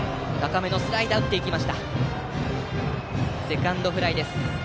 セカンドフライです。